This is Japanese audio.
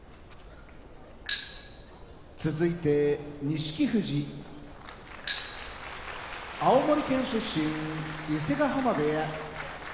錦富士青森県出身伊勢ヶ濱部屋